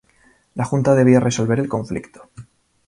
La Junta debía resolver el conflicto.